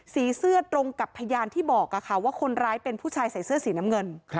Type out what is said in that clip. สีเสื้อตรงกับพยานที่บอกว่าคนร้ายเป็นผู้ชายใส่เสื้อสีน้ำเงิน